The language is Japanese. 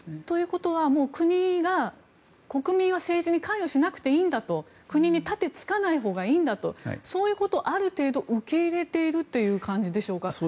ということは、国は国民は政治に関与しなくていいんだと国にたてつくなということをそういうことをある程度受け入れているという感じでしょうか。